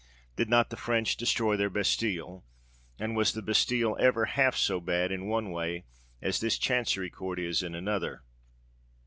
Did not the French destroy their Bastille?—and was the Bastille ever half so bad, in one way, as this Chancery Court is in another?